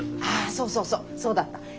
ああそうそうそうそうだった。